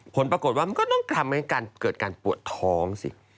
ผลปรากฏว่ามันก็ต้องทำให้การเกิดการปวดท้องสิ